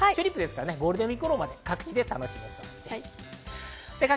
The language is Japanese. ゴールデンウイーク頃まで各地で楽しめそうです。